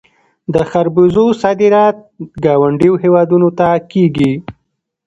د خربوزو صادرات ګاونډیو هیوادونو ته کیږي.